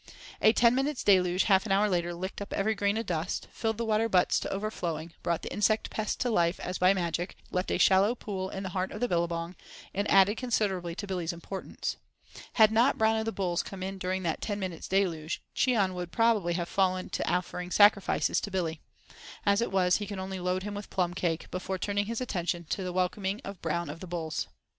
A ten minutes' deluge half an hour later licked up every grain of dust, filled the water butts to overflowing, brought the insect pest to life as by magic, left a shallow pool in the heart of the billabong, and added considerably to Billy's importance. Had not Brown of the Bulls come in during that ten minutes' deluge, Cheon would probably have fallen to offering sacrifices to Billy. As it was, he could only load him with plum cake, before turning his attention to the welcoming of Brown of the Bulls.